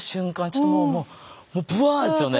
ちょっともうもうブワッですよね。